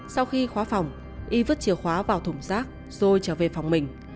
sau khi khóa phòng y vứt chìa khóa vào thùng rác rồi trở về phòng mình